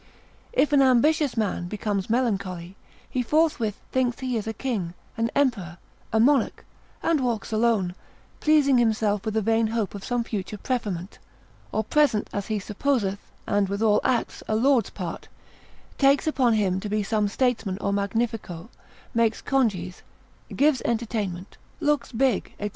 If an ambitious man become melancholy, he forthwith thinks he is a king, an emperor, a monarch, and walks alone, pleasing himself with a vain hope of some future preferment, or present as he supposeth, and withal acts a lord's part, takes upon him to be some statesman or magnifico, makes conges, gives entertainment, looks big, &c.